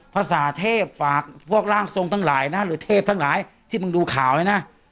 ภาษาเทพฝากพวกร่างทรงทั้งหลายนะหรือเทพทั้งหลายที่มึงดูข่าวเลยนะ